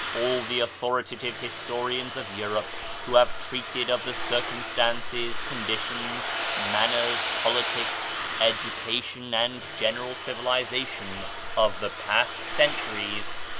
All the authoritative historians of Europe, who have treated of the circumstances, conditions, man ners, politics, education, and general civilization of the past centuries.